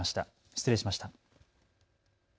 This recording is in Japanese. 失礼しました。